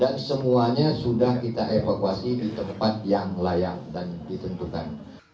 dan semuanya sudah kita evakuasi di tempat yang layak dan ditentukan